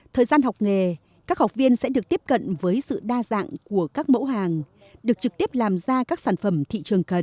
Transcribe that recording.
thời gian học nghề các học viên sẽ được tiếp cận với sự đa dạng của các mẫu hàng được trực tiếp làm ra các sản phẩm thị trường cần